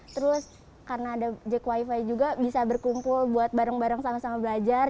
terus karena ada jack wifi juga bisa berkumpul buat bareng bareng sama sama belajar